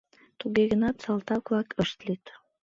Туге гынат салтак-влак ышт лӱд.